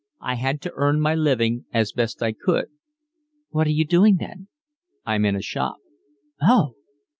I had to earn my living as best I could." "What are you doing then?" "I'm in a shop." "Oh!"